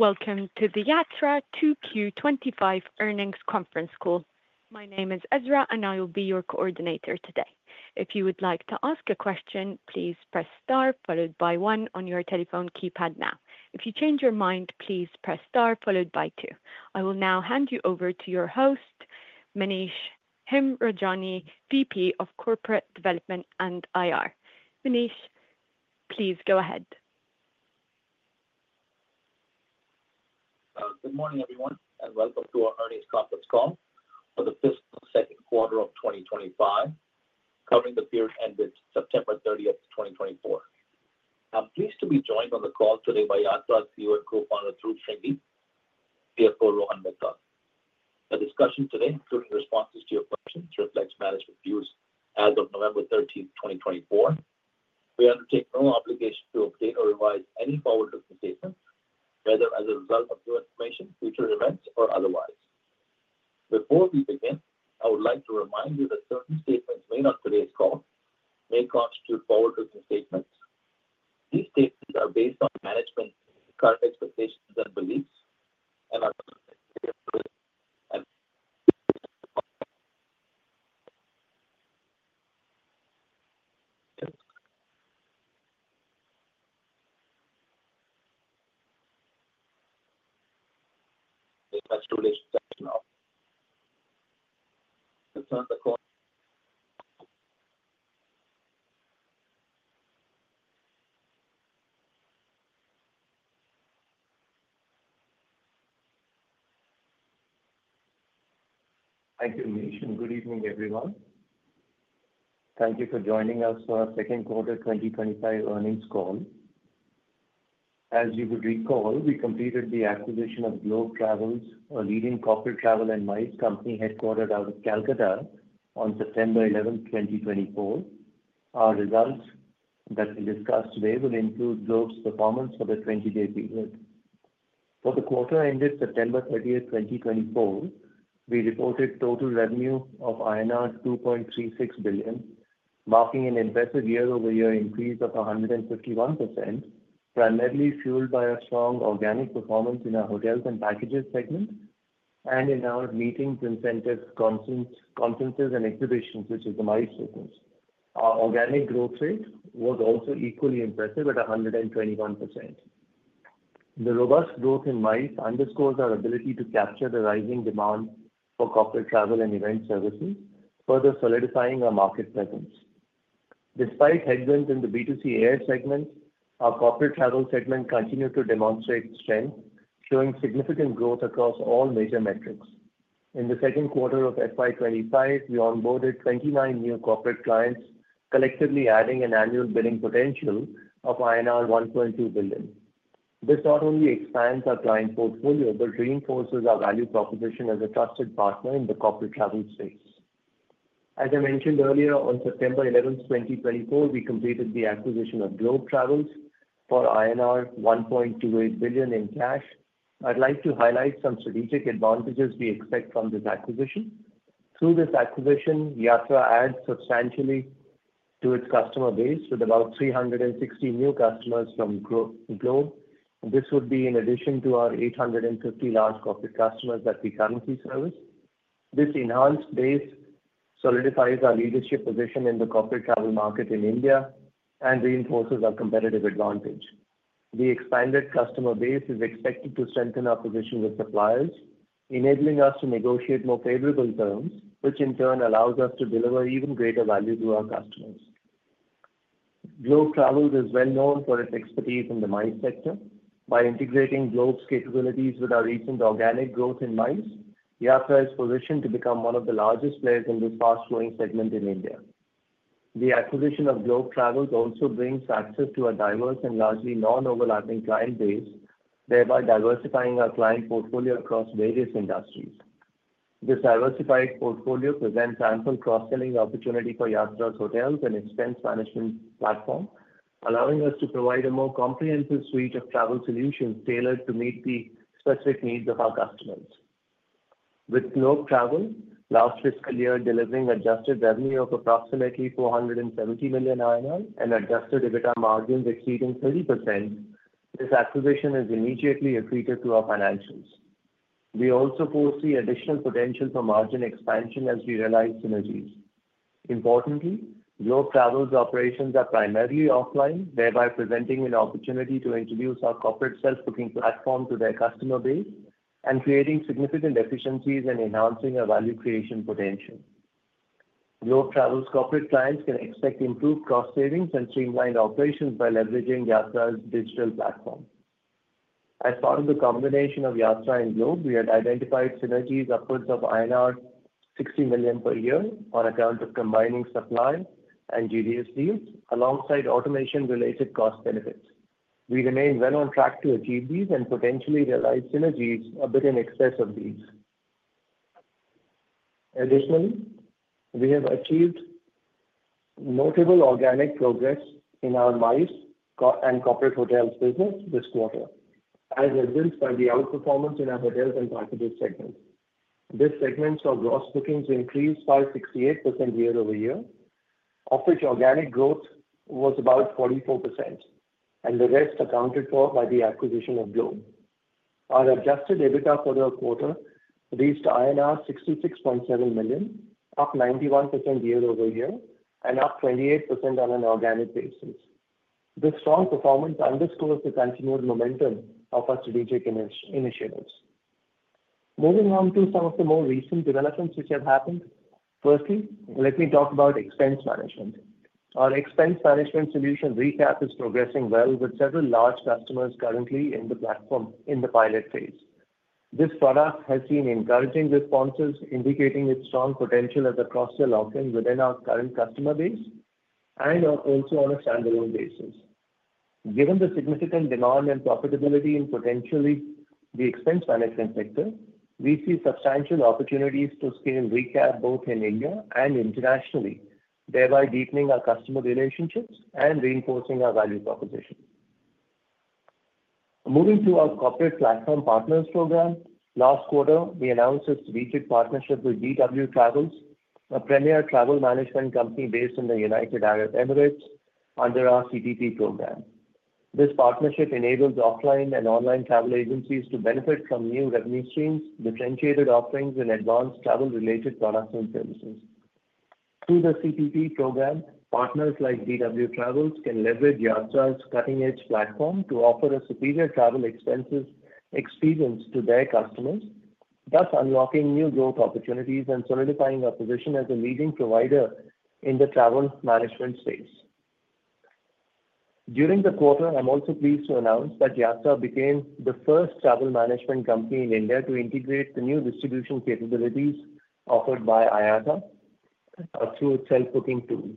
Welcome to the Yatra 2Q25 earnings conference call. My name is Ezra, and I will be your coordinator today. If you would like to ask a question, please press star followed by one on your telephone keypad now. If you change your mind, please press star followed by two. I will now hand you over to your host, Manish Hemrajani, VP of Corporate Development and IR. Manish, please go ahead. Good morning, everyone, and welcome to our earnings conference call for the fiscal second quarter of 2025, covering the period ended September 30, 2024. I'm pleased to be joined on the call today by Yatra CEO and Co-Founder Dhruv Shringi, Rohan Mittal. The discussion today, including responses to your questions, reflects management views as of November 13, 2024. We undertake no obligation to update or revise any forward-looking statements, whether as a result of new information, future events, or otherwise. Before we begin, I would like to remind you that certain statements made on today's call may constitute forward-looking statements. These statements are based on management's current expectations and beliefs and are subject to. Good evening, everyone. Thank you for joining us for our second quarter 2025 earnings call. As you would recall, we completed the acquisition of Globe Travels, a leading corporate travel and MICE company headquartered out of Kolkata on September 11, 2024. Our results that we discuss today will include Globe's performance for the 20-day period. For the quarter ended September 30, 2024, we reported total revenue of INR 2.36 billion, marking an impressive year-over-year increase of 151%, primarily fueled by our strong organic performance in our hotels and packages segment and in our meetings, incentives, conferences, and exhibitions, which is the MICE business. Our organic growth rate was also equally impressive at 121%. The robust growth in MICE underscores our ability to capture the rising demand for corporate travel and event services, further solidifying our market presence. Despite headwinds in the B2C air segment, our corporate travel segment continued to demonstrate strength, showing significant growth across all major metrics. In the second quarter of FY25, we onboarded 29 new corporate clients, collectively adding an annual billing potential of INR 1.2 billion. This not only expands our client portfolio but reinforces our value proposition as a trusted partner in the corporate travel space. As I mentioned earlier, on September 11, 2024, we completed the acquisition of Globe Travels for INR 1.28 billion in cash. I'd like to highlight some strategic advantages we expect from this acquisition. Through this acquisition, Yatra adds substantially to its customer base with about 360 new customers from Globe. This would be in addition to our 850 large corporate customers that we currently service. This enhanced base solidifies our leadership position in the corporate travel market in India and reinforces our competitive advantage. The expanded customer base is expected to strengthen our position with suppliers, enabling us to negotiate more favorable terms, which in turn allows us to deliver even greater value to our customers. Globe Travels is well-known for its expertise in the MICE sector. By integrating Globe's capabilities with our recent organic growth in MICE, Yatra is positioned to become one of the largest players in this fast-growing segment in India. The acquisition of Globe Travels also brings access to a diverse and largely non-overlapping client base, thereby diversifying our client portfolio across various industries. This diversified portfolio presents ample cross-selling opportunity for Yatra's hotels and expense management platform, allowing us to provide a more comprehensive suite of travel solutions tailored to meet the specific needs of our customers. With Globe Travels last fiscal year delivering adjusted revenue of approximately 470 million INR and adjusted EBITDA margins exceeding 30%, this acquisition is immediately accretive to our financials. We also foresee additional potential for margin expansion as we realize synergies. Importantly, Globe Travels' operations are primarily offline, thereby presenting an opportunity to introduce our corporate self-booking platform to their customer base and creating significant efficiencies and enhancing our value creation potential. Globe Travels' corporate clients can expect improved cost savings and streamlined operations by leveraging Yatra's digital platform. As part of the combination of Yatra and Globe, we had identified synergies upwards of INR 60 million per year on account of combining supply and GDS deals alongside automation-related cost benefits. We remain well on track to achieve these and potentially realize synergies a bit in excess of these. Additionally, we have achieved notable organic progress in our MICE and corporate hotels business this quarter, as evidenced by the outperformance in our hotels and packages segment. This segment saw gross bookings increase by 68% year over year, of which organic growth was about 44%, and the rest accounted for by the acquisition of Globe. Our Adjusted EBITDA for the quarter reached INR 66.7 million, up 91% year over year and up 28% on an organic basis. This strong performance underscores the continued momentum of our strategic initiatives. Moving on to some of the more recent developments which have happened, firstly, let me talk about expense management. Our expense management solution RECAP is progressing well with several large customers currently in the platform in the pilot phase. This product has seen encouraging responses indicating its strong potential as a cross-sell offering within our current customer base and also on a standalone basis. Given the significant demand and profitability in potentially the expense management sector, we see substantial opportunities to scale RECAP both in India and internationally, thereby deepening our customer relationships and reinforcing our value proposition. Moving to our Corporate Platform Partners program, last quarter, we announced a strategic partnership with DW Travel, a premier travel management company based in the United Arab Emirates under our CPP program. This partnership enables offline and online travel agencies to benefit from new revenue streams, differentiated offerings, and advanced travel-related products and services. Through the CPP program, partners like DW Travel can leverage Yatra's cutting-edge platform to offer a superior travel expenses experience to their customers, thus unlocking new growth opportunities and solidifying our position as a leading provider in the travel management space. During the quarter, I'm also pleased to announce that Yatra became the first travel management company in India to integrate the new distribution capabilities offered by IATA through its self-booking tool.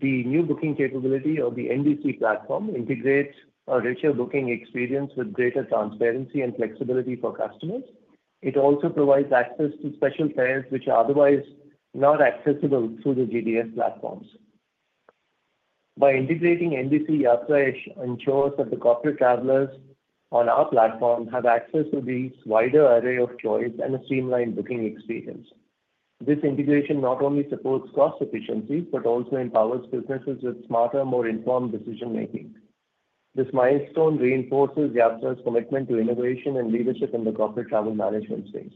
The new booking capability of the NDC platform integrates a richer booking experience with greater transparency and flexibility for customers. It also provides access to special fares which are otherwise not accessible through the GDS platforms. By integrating NDC, Yatra ensures that the corporate travelers on our platform have access to these wider array of choice and a streamlined booking experience. This integration not only supports cost efficiency but also empowers businesses with smarter, more informed decision-making. This milestone reinforces Yatra's commitment to innovation and leadership in the corporate travel management space.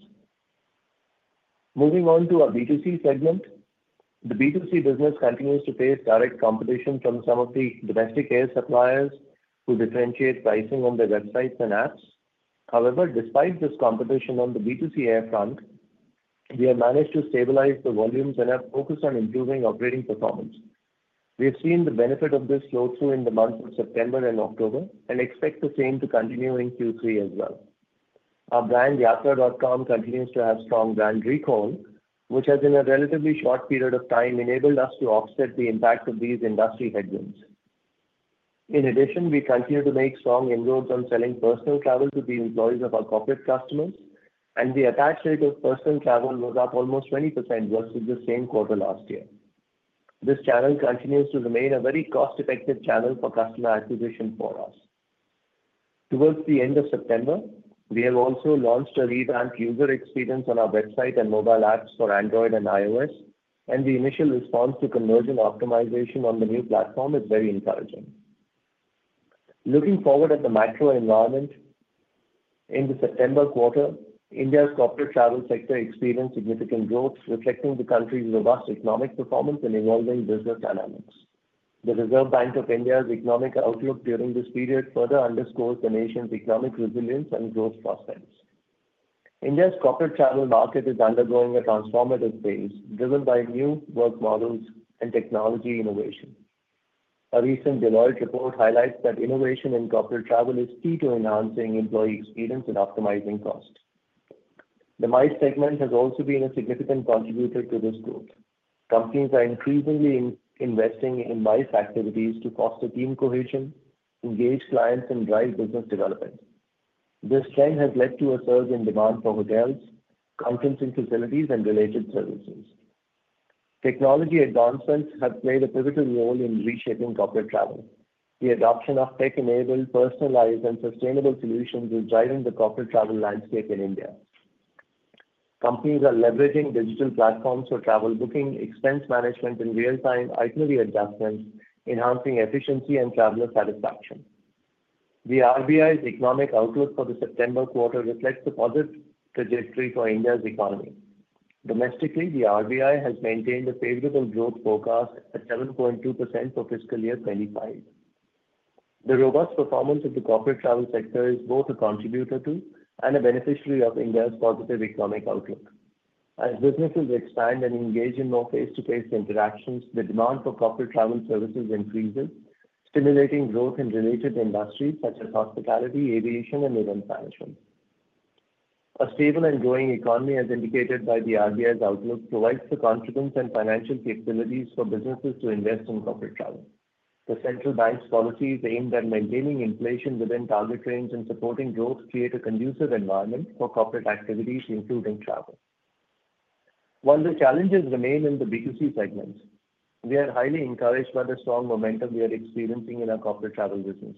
Moving on to our B2C segment, the B2C business continues to face direct competition from some of the domestic air suppliers who differentiate pricing on their websites and apps. However, despite this competition on the B2C air front, we have managed to stabilize the volumes and have focused on improving operating performance. We have seen the benefit of this flow-through in the months of September and October and expect the same to continue in Q3 as well. Our brand, Yatra.com, continues to have strong brand recall, which has in a relatively short period of time enabled us to offset the impact of these industry headwinds. In addition, we continue to make strong inroads on selling personal travel to the employees of our corporate customers, and the adoption rate of personal travel was up almost 20% versus the same quarter last year. This channel continues to remain a very cost-effective channel for customer acquisition for us. Towards the end of September, we have also launched a revamped user experience on our website and mobile apps for Android and iOS, and the initial response to conversion optimization on the new platform is very encouraging. Looking forward at the macro environment, in the September quarter, India's corporate travel sector experienced significant growth, reflecting the country's robust economic performance and evolving business dynamics. The Reserve Bank of India's economic outlook during this period further underscores the nation's economic resilience and growth prospects. India's corporate travel market is undergoing a transformative phase driven by new work models and technology innovation. A recent Deloitte report highlights that innovation in corporate travel is key to enhancing employee experience and optimizing cost. The MICE segment has also been a significant contributor to this growth. Companies are increasingly investing in MICE activities to foster team cohesion, engage clients, and drive business development. This trend has led to a surge in demand for hotels, conferencing facilities, and related services. Technology advancements have played a pivotal role in reshaping corporate travel. The adoption of tech-enabled, personalized, and sustainable solutions is driving the corporate travel landscape in India. Companies are leveraging digital platforms for travel booking, expense management, and real-time itinerary adjustments, enhancing efficiency and traveler satisfaction. The RBI's economic outlook for the September quarter reflects a positive trajectory for India's economy. Domestically, the RBI has maintained a favorable growth forecast at 7.2% for fiscal year 2025. The robust performance of the corporate travel sector is both a contributor to and a beneficiary of India's positive economic outlook. As businesses expand and engage in more face-to-face interactions, the demand for corporate travel services increases, stimulating growth in related industries such as hospitality, aviation, and event management. A stable and growing economy, as indicated by the RBI's outlook, provides the confidence and financial capabilities for businesses to invest in corporate travel. The central bank's policies aimed at maintaining inflation within target range and supporting growth create a conducive environment for corporate activities, including travel. While the challenges remain in the B2C segment, we are highly encouraged by the strong momentum we are experiencing in our corporate travel business,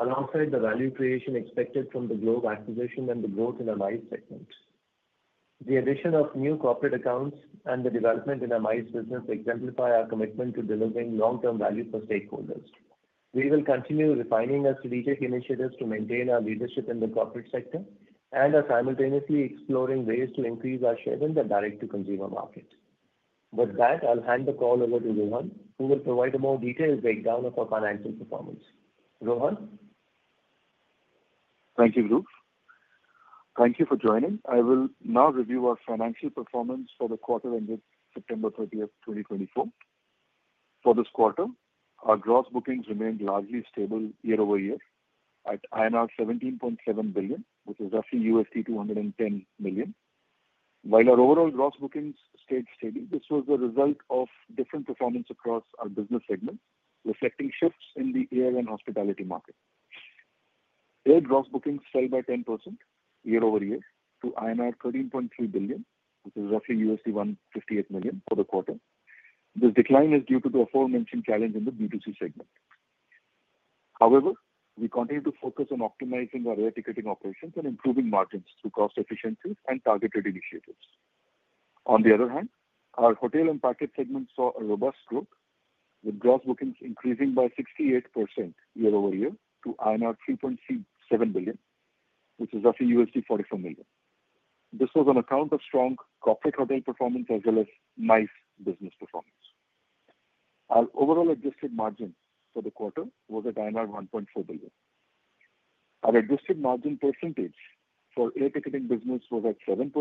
alongside the value creation expected from the Globe acquisition and the growth in our MICE segment. The addition of new corporate accounts and the development in our MICE business exemplify our commitment to delivering long-term value for stakeholders. We will continue refining our strategic initiatives to maintain our leadership in the corporate sector and are simultaneously exploring ways to increase our share in the direct-to-consumer market. With that, I'll hand the call over to Rohan, who will provide a more detailed breakdown of our financial performance. Rohan. Thank you, Dhruv. Thank you for joining. I will now review our financial performance for the quarter ended September 30, 2024. For this quarter, our gross bookings remained largely stable year over year at INR 17.7 billion, which is roughly $210 million. While our overall gross bookings stayed steady, this was the result of different performance across our business segments, reflecting shifts in the air and hospitality market. Air gross bookings fell by 10% year over year to INR 13.3 billion, which is roughly $158 million for the quarter. This decline is due to the aforementioned challenge in the B2C segment. However, we continue to focus on optimizing our air ticketing operations and improving margins through cost efficiencies and targeted initiatives. On the other hand, our hotel and package segment saw a robust growth, with gross bookings increasing by 68% year over year to INR 3.7 billion, which is roughly $44 million. This was on account of strong corporate hotel performance as well as MICE business performance. Our overall adjusted margin for the quarter was at 1.4 billion. Our adjusted margin percentage for air ticketing business was at 7%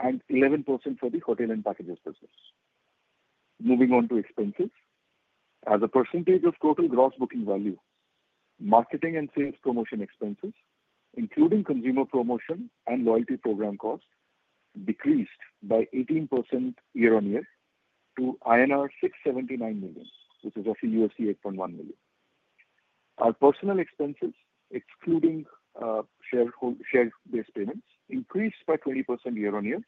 and 11% for the hotel and packages business. Moving on to expenses, as a percentage of total gross booking value, marketing and sales promotion expenses, including consumer promotion and loyalty program costs, decreased by 18% year on year to INR 679 million, which is roughly $8.1 million. Our personnel expenses, excluding share-based payments, increased by 20% year on year,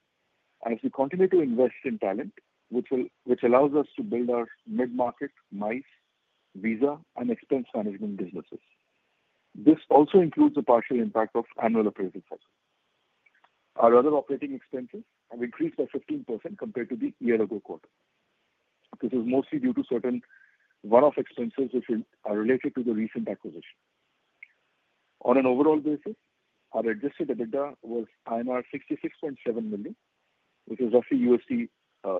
as we continue to invest in talent, which allows us to build our mid-market MICE, visa, and expense management businesses. This also includes a partial impact of annual appraisal sessions. Our other operating expenses have increased by 15% compared to the year-ago quarter. This is mostly due to certain one-off expenses which are related to the recent acquisition. On an overall basis, our Adjusted EBITDA was INR 66.7 million, which is roughly a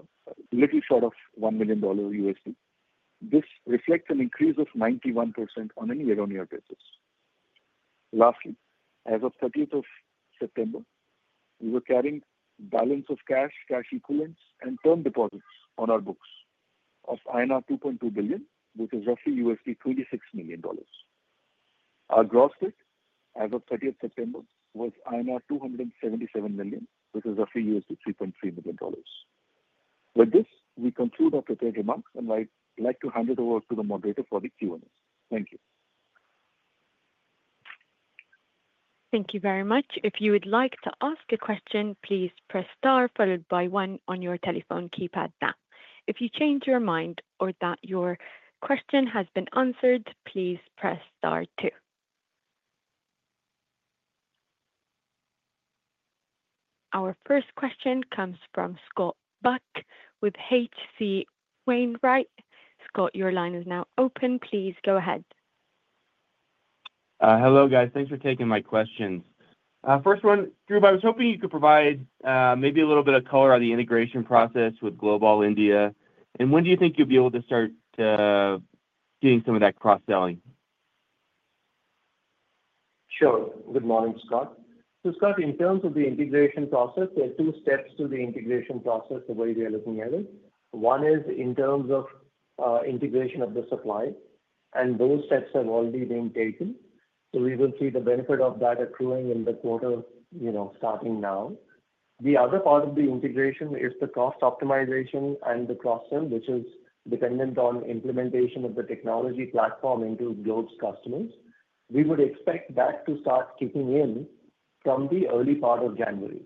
little short of $1 million. This reflects an increase of 91% on a year-on-year basis. Lastly, as of 30 September, we were carrying balance of cash, cash equivalents, and term deposits on our books of INR 2.2 billion, which is roughly $26 million. Our gross debt as of 30 September was INR 277 million, which is roughly $3.3 million. With this, we conclude our prepared remarks, and I'd like to hand it over to the moderator for the Q&A. Thank you. Thank you very much. If you would like to ask a question, please press star followed by one on your telephone keypad now. If you change your mind or that your question has been answered, please press star two. Our first question comes from Scott Buck with H.C. Wainwright. Scott, your line is now open. Please go ahead. Hello, guys. Thanks for taking my questions. First one, Dhruv, I was hoping you could provide maybe a little bit of color on the integration process with Globe All India, and when do you think you'll be able to start doing some of that cross-selling? Sure. Good morning, Scott, so, Scott, in terms of the integration process, there are two steps to the integration process the way we are looking at it. One is in terms of integration of the supply, and those steps have already been taken. So we will see the benefit of that accruing in the quarter starting now. The other part of the integration is the cost optimization and the cross-sell, which is dependent on implementation of the technology platform into Globe's customers. We would expect that to start kicking in from the early part of January.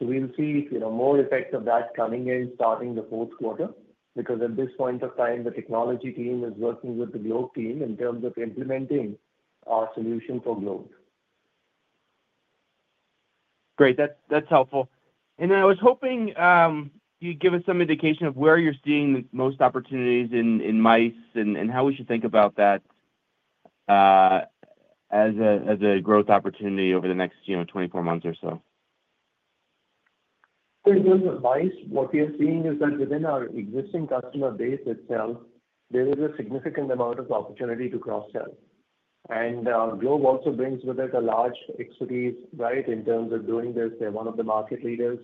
We'll see more effects of that coming in starting the fourth quarter because at this point of time, the technology team is working with the Globe team in terms of implementing our solution for Globe. Great. That's helpful. I was hoping you'd give us some indication of where you're seeing the most opportunities in MICE and how we should think about that as a growth opportunity over the next 24 months or so. In terms of MICE, what we are seeing is that within our existing customer base itself, there is a significant amount of opportunity to cross-sell. Globe also brings with it a large expertise, right, in terms of doing this. They're one of the market leaders.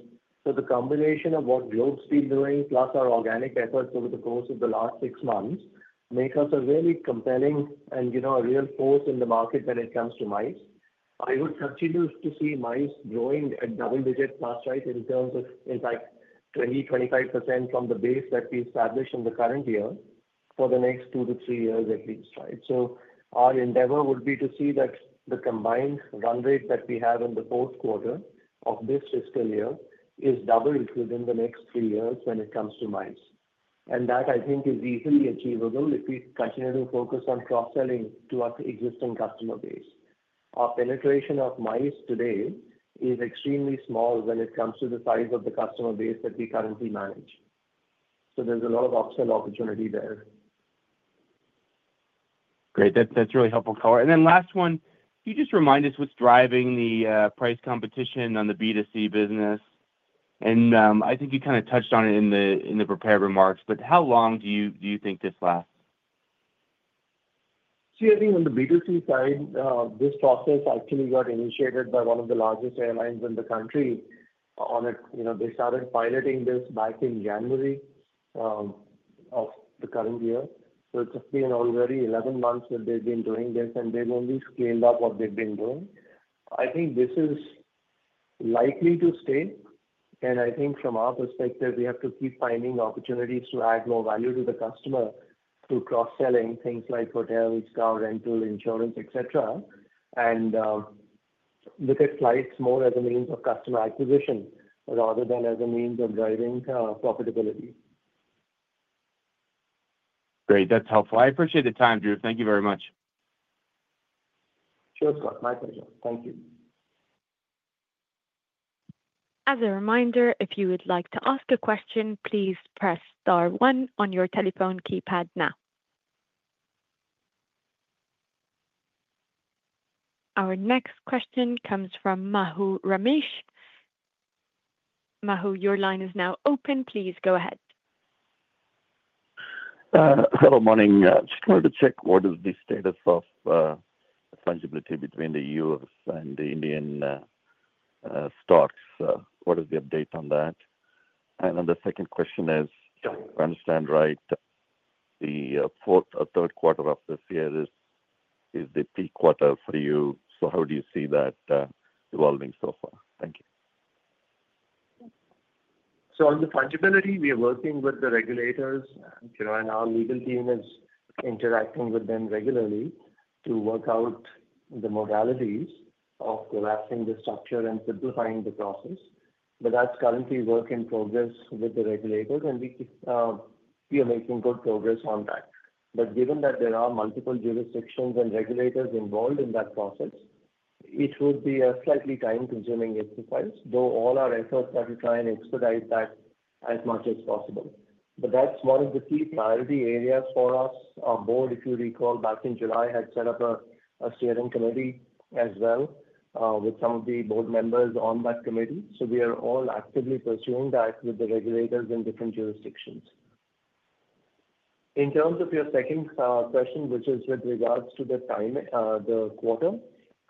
So the combination of what Globe's been doing plus our organic efforts over the course of the last six months makes us a really compelling and a real force in the market when it comes to MICE. I would continue to see MICE growing at double-digit cost, right, in terms of in fact, 20%-25% from the base that we established in the current year for the next two to three years at least, right? So our endeavor would be to see that the combined run rate that we have in the fourth quarter of this fiscal year is doubled within the next three years when it comes to MICE. And that, I think, is easily achievable if we continue to focus on cross-selling to our existing customer base. Our penetration of MICE today is extremely small when it comes to the size of the customer base that we currently manage. So there's a lot of upsell opportunity there. Great. That's really helpful, color. And then last one, can you just remind us what's driving the price competition on the B2C business? And I think you kind of touched on it in the prepared remarks, but how long do you think this lasts? See, I think on the B2C side, this process actually got initiated by one of the largest airlines in the country on it. They started piloting this back in January of the current year. So it's been already 11 months that they've been doing this, and they've only scaled up what they've been doing. I think this is likely to stay. And I think from our perspective, we have to keep finding opportunities to add more value to the customer through cross-selling things like hotels, car rental, insurance, etc., and look at flights more as a means of customer acquisition rather than as a means of driving profitability. Great. That's helpful. I appreciate the time, Dhruv. Thank you very much. Sure, Scott. My pleasure. Thank you. As a reminder, if you would like to ask a question, please press star one on your telephone keypad now. Our next question comes from Mahur Ramesh. Mahur, your line is now open. Please go ahead. Hello, morning. Just wanted to check what is the status of fungibility between the Europe and the Indian stocks. What is the update on that? And then the second question is, if I understand right, the fourth or third quarter of this year is the peak quarter for you. So how do you see that evolving so far? Thank you. So on the fungibility, we are working with the regulators, and our legal team is interacting with them regularly to work out the modalities of collapsing the structure and simplifying the process. But that's currently work in progress with the regulators, and we are making good progress on that. But given that there are multiple jurisdictions and regulators involved in that process, it would be a slightly time-consuming exercise, though all our efforts are to try and expedite that as much as possible. But that's one of the key priority areas for us. Our board, if you recall, back in July, had set up a steering committee as well with some of the board members on that committee. So we are all actively pursuing that with the regulators in different jurisdictions. In terms of your second question, which is with regards to the quarter,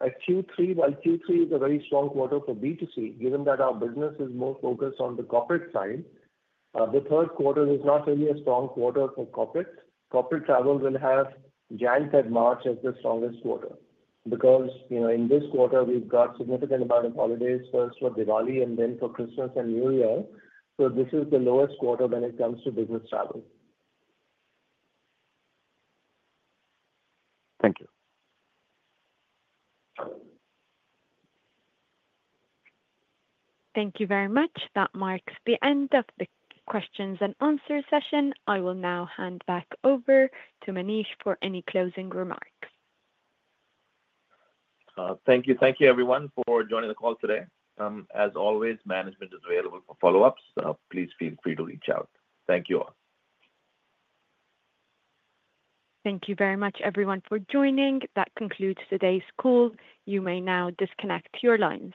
Q3, well, Q3 is a very strong quarter for B2C, given that our business is more focused on the corporate side. The third quarter is not really a strong quarter for corporates. Corporate travel will have Jan-Feb-March as the strongest quarter because in this quarter, we've got a significant amount of holidays, first for Diwali and then for Christmas and New Year. So this is the lowest quarter when it comes to business travel. Thank you. Thank you very much. That marks the end of the questions and answers session. I will now hand back over to Manish for any closing remarks. Thank you. Thank you, everyone, for joining the call today. As always, management is available for follow-ups. Please feel free to reach out. Thank you all. Thank you very much, everyone, for joining. That concludes today's call. You may now disconnect your lines.